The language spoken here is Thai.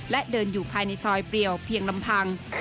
และเดินอยู่ภายในซอยเปรียวเพียงลำพัง